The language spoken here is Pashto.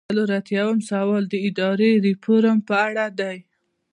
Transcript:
څلور ایاتیام سوال د اداري ریفورم په اړه دی.